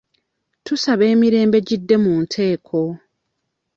Tusaba emirembe gidde mu nteeko.